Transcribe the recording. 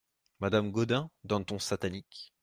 Madame Gaudin , d'un ton satanique.